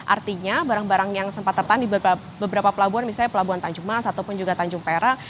artinya barang barang yang sempat tertahan di beberapa pelabuhan misalnya pelabuhan tanjung mas ataupun juga tanjung perak